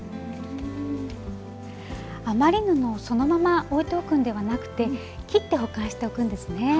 余り布をそのまま置いておくんではなくて切って保管しておくんですね。